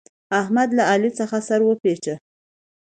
احمد له علي څخه سر وپېچه.